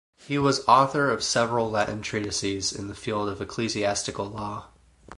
He was author of several Latin treatises in the field of ecclesiastical law.